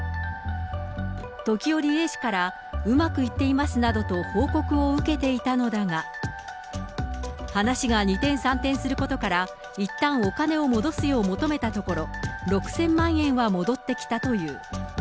時折、Ａ氏からうまくいっていますなどと報告を受けていたのだが、話が二転三転することから、いったんお金を戻すよう求めたところ、６０００万円は戻ってきたという。